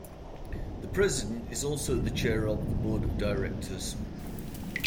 The President is also the chair of the board of directors.